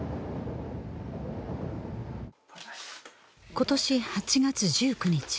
今年８月１９日